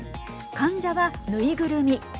患者は縫いぐるみ。